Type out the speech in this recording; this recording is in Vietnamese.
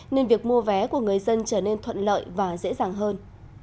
nên việc mua vé của người dân trở nên thuận lợi và dễ dàng hơn